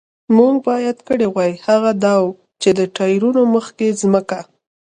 موږ باید کړي وای، هغه دا و، چې د ټایرونو مخکې ځمکه.